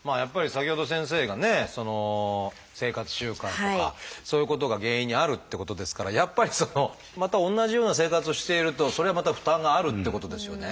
先ほど先生がね生活習慣とかそういうことが原因にあるってことですからやっぱりまた同じような生活をしているとそれはまた負担があるってことですよね。